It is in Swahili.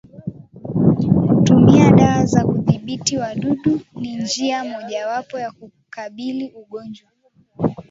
Kutumia dawa za kudhibiti wadudu ni njia moja wapo ya kukabili ugonjwa